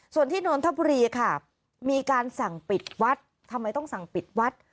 ส่วนที่นนทบุรีค่ะมีการสั่งปิดวัดทำไมต้องสั่งปิดวัด